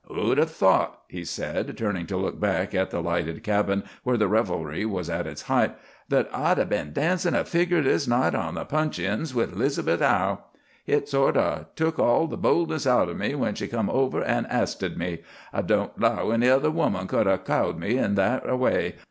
"Who'd 'a' thought," he said, turning to look back at the lighted cabin, where the revelry was at its height, "that I'd 'a' been dancin' a figger this night on the puncheons with 'Liz'beth Hough? Hit sort o' took all the boldness out o' me when she come over an' asted me. I don't 'low any other human could 'a' cowed me that a way.